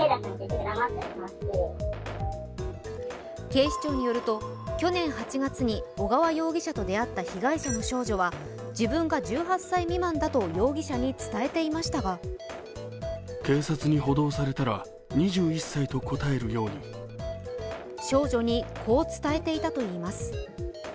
警視庁によると、去年８月に小川容疑者と出会った被害者の少女は自分が１８歳未満だと容疑者に伝えていましたが少女にこう伝えていたといいます。